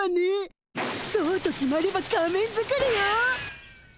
そうと決まれば仮面作りよ！